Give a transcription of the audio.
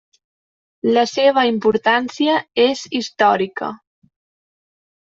La seva importància és històrica.